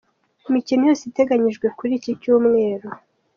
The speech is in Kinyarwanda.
Imikino yose iteganyijwe kuri iki Cyumweru.